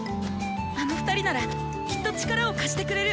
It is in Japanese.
あの２人ならきっと力を貸してくれる！